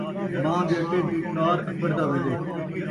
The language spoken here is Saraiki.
مان٘ہہ دے اٹے دی کار اکڑدا وین٘دے